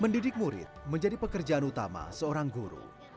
mendidik murid menjadi pekerjaan utama seorang guru